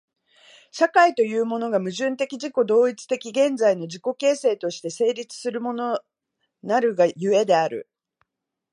社会というものが、矛盾的自己同一的現在の自己形成として成立するものなるが故である。